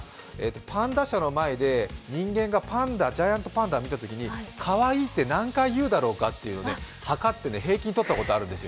パンダ舎の前で人間がパンダを見たときにかわいいって何回いうだろうかって測って平均とったことあるんですよ。